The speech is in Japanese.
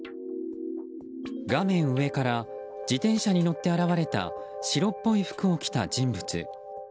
画面上から自転車に乗って現れた白っぽい服を着た人物。